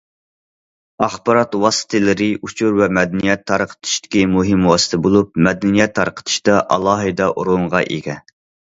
ئاخبارات ۋاسىتىلىرى ئۇچۇر ۋە مەدەنىيەت تارقىتىشتىكى مۇھىم ۋاسىتە بولۇپ، مەدەنىيەت تارقىتىشتا ئالاھىدە ئورۇنغا ئىگە.